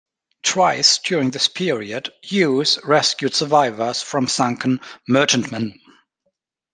Twice during this period, "Hughes" rescued survivors from sunken merchantmen.